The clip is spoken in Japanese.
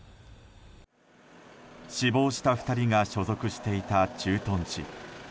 死亡した２人が所属していた駐屯地。